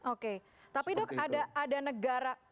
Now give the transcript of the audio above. oke tapi dok ada negara